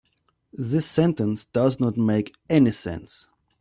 This sentence does not make any sense.